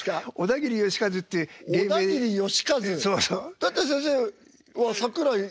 だって先生は桜井。